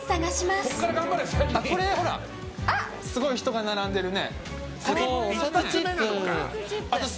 すごい、人が並んでるね。